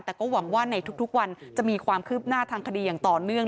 แต่ก็หวังว่าในทุกวันจะมีความคืบหน้าทางคดีอย่างต่อเนื่อง